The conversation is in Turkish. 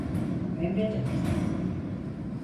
Emredersin.